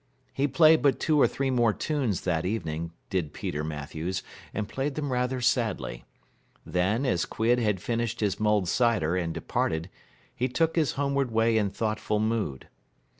He played but two or three more tunes that evening, did Peter Matthews, and played them rather sadly; then, as Quidd had finished his mulled cider and departed, he took his homeward way in thoughtful mood.